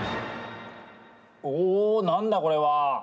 おなんだこれは。